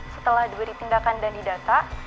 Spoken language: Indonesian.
setelah diberi tindakan dan didata